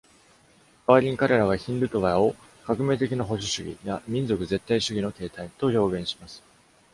代わりに、彼らはヒンドゥトヴァを「革命的な保守主義」や「民族絶対主義」の形態と表現します。